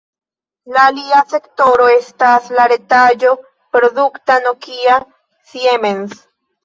La alia sektoro estas la retaĵo-produkta Nokia-Siemens.